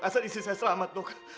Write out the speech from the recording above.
asal istri saya selamat tuh